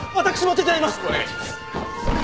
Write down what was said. お願いします。